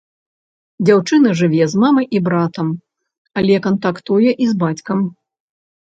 Дзяўчына жыве з мамай і братам, але кантактуе і з бацькам.